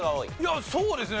そうですね。